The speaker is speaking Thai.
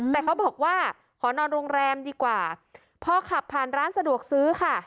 แต่เขาบอกว่าขอนอนโรงแรมดีกว่าพอขับผ่านร้านสะดวกซื้อค่ะ